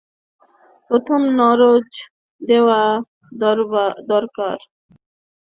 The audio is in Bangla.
প্রথম নজর দেওয়া দরকার মাঠপর্যায়ের ওসি থেকে শুরু করে কনস্টেবল পর্যন্ত।